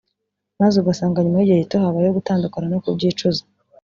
maze ugasanga nyuma y’igihe gito habayeho gutandukana no kubyicuza